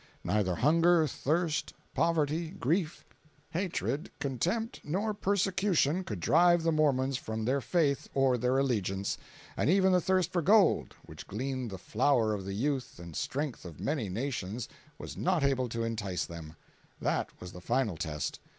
Neither hunger, thirst, poverty, grief, hatred, contempt, nor persecution could drive the Mormons from their faith or their allegiance; and even the thirst for gold, which gleaned the flower of the youth and strength of many nations was not able to entice them! That was the final test.